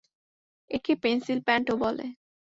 একে পেনসিল প্যান্টও বলে।